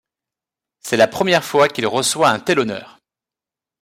C'est la première fois qu'il reçoit un tel honneur.